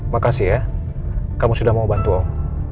makasih ya kamu sudah mau bantu om